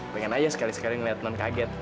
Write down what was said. pengen aja sekali sekali ngeliat non kaget